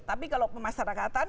tapi kalau pemasarakatan